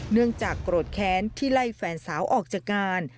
เนื่องจากโกรธแค้นที่ไล่แฟนสาวออกจากงาน